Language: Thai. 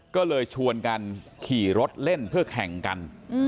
ก็เลยชวนกันขี่รถเล่นเพื่อแข่งกัน